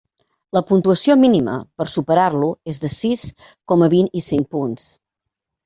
La puntuació mínima per superar-lo és de sis coma vint-i-cinc punts.